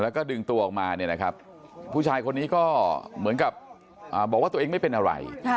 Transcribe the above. แล้วก็ดึงตัวออกมาเนี่ยนะครับผู้ชายคนนี้ก็เหมือนกับบอกว่าตัวเองไม่เป็นอะไร